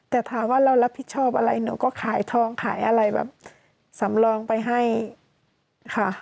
แต่ถามว่าเรารับผิดชอบอะไรหนูก็ขายทองขายอะไรแบบสำรองไปให้ค่ะ